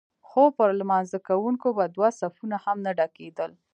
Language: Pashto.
خو پر لمانځه کوونکو به دوه صفونه هم نه ډکېدل.